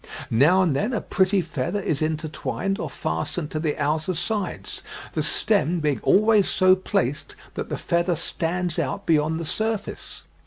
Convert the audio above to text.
Now and then a pretty feather is intertwined or fastened to the outer sides, the stem being always so placed that the feather stands out beyond the surface."